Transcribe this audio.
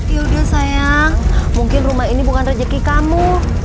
yaudah sayang mungkin rumah ini bukan rezeki kamu